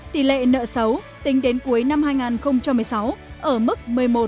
tỷ lệ nợ xấu tính đến cuối năm hai nghìn một mươi sáu ở mức một mươi một một